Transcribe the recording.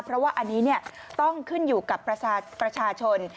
เพราะว่าอันนี้ต้องขึ้นอยู่กับประชาชน